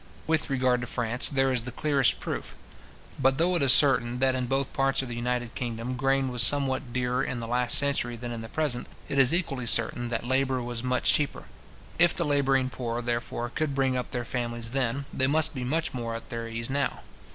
With regard to France, there is the clearest proof. But though it is certain, that in both parts of the united kingdom grain was somewhat dearer in the last century than in the present, it is equally certain that labour was much cheaper. If the labouring poor, therefore, could bring up their families then, they must be much more at their ease now.